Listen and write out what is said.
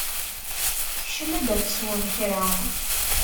Kcem-d ad tesweḍ kra.